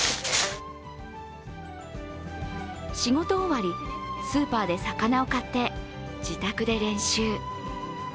仕事終わり、スーパーで魚を買って自宅で練習。